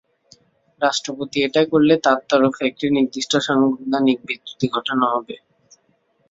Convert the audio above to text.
রাষ্ট্রপতি এটা করলে তাঁর তরফে একটি নির্দিষ্ট সাংবিধানিক বিচ্যুতি ঘটানো হবে।